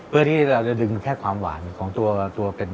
เพื่อที่ได้ดึงแค่ความหวานของตัวเบส